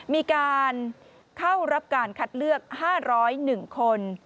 มีการเข้ารับการคัดเลือก๕๐๑คน